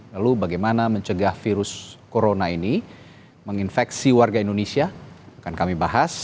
lalu bagaimana mencegah virus corona ini menginfeksi warga indonesia akan kami bahas